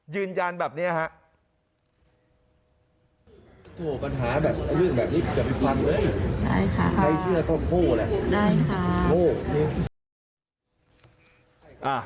ยืนยันแบบนี้นะครับ